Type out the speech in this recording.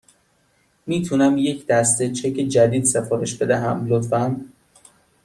می تونم یک دسته چک جدید سفارش بدهم، لطفاً؟